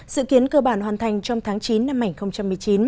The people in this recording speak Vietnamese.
dự kiến cơ bản hoàn thành trong tháng chín năm hai nghìn một mươi chín